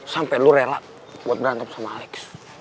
sampai lu rela buat berantem sama alex